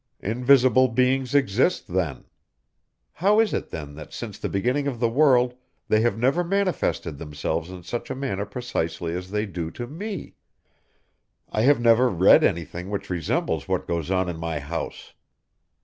Invisible beings exist, then! How is it then that since the beginning of the world they have never manifested themselves in such a manner precisely as they do to me? I have never read anything which resembles what goes on in my house.